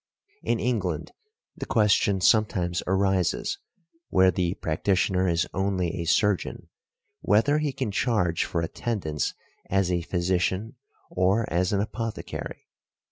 In England the question sometimes arises, where the practitioner is only a surgeon, whether he can charge for attendance as a physician or as an apothecary.